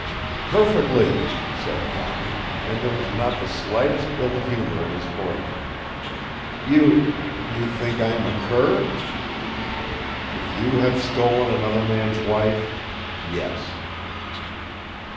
"Perfectly," said Thornton, and there was not the slightest ill humor in his voice. "You you think I am a cur?" "If you have stolen another man's wife yes."